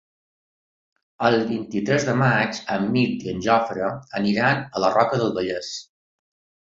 El vint-i-tres de maig en Mirt i en Jofre aniran a la Roca del Vallès.